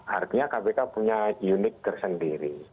artinya kpk punya unik tersendiri